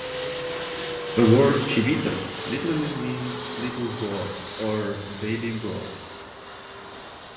The word "Chivito" literally means "little goat" or "baby goat".